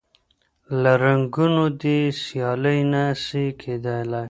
له رنګونو دي سیالي نه سي کېدلای